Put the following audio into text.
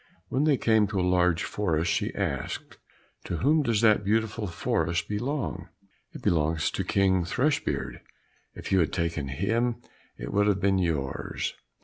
When they came to a large forest she asked, "To whom does that beautiful forest belong?" "It belongs to King Thrushbeard; if you had taken him, it would have been yours."